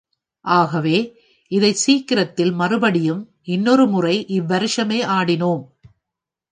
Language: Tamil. ஆகவே, இதைச் சீக்கிரத்தில் மறுபடியும் இன்னொரு முறை இவ்வருஷமே ஆடினோம்.